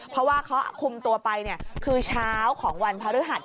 เพราะว่าเขาคุมตัวไปคือเช้าของวันพระฤหัส